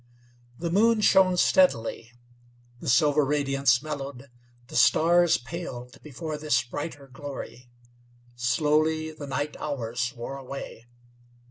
The moon shone steadily; the silver radiance mellowed; the stars paled before this brighter glory. Slowly the night hours wore away.